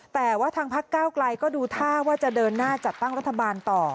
แต่ว่าทางพักเก้าไกลก็ดูท่าว่าจะเดินหน้าจัดตั้งรัฐบาลต่อ